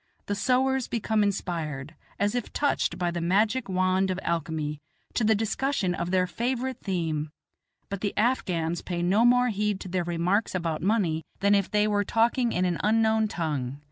The sowars become inspired, as if touched by the magic wand of alchemy, to the discussion of their favorite theme; but the Afghans pay no more heed to their remarks about money than if they were talking in an unknown tongue.